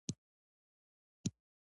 زه د باطل مخالفت کوم.